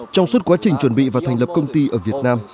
trong suốt quá trình chuẩn bị và thành lập công ty ở việt nam